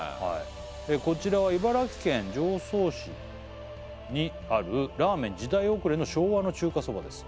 こちらは「茨城県常総市にある」「拉麺時代遅れの昭和の中華そばです」